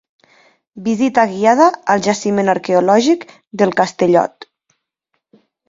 Visita guiada al Jaciment Arqueològic del Castellot.